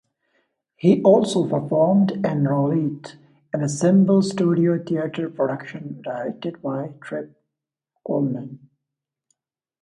He also performed in "Roulette", an Ensemble Studio Theater production directed by Trip Cullman.